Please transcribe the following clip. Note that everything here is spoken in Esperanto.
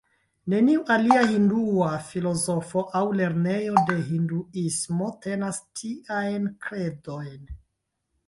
Neniu alia hindua filozofo aŭ lernejo de hinduismo tenas tiajn kredojn.